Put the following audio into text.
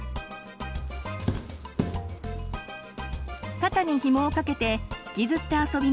肩にひもをかけて引きずって遊びます。